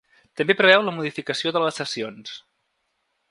També preveu la modificació de les sessions.